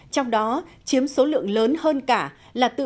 trong đó chiếm số lượng lớn hơn cả là tự truyện